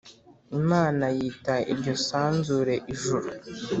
Imana yita iryo sanzure Ijuru